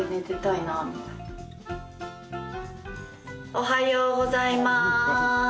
おはようございまーす。